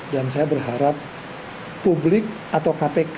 dan saya berharap publik atau kpk